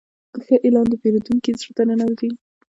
ښه اعلان د پیرودونکي زړه ته ننوځي.